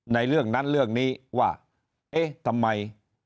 เรื่องนั้นเรื่องนี้ว่าเอ๊ะทำไม